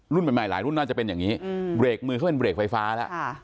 รุ่นใหม่หลายรุ่นน่าจะเป็นอย่างนี้เบรกมือเขาเป็นเรกไฟฟ้าแล้ว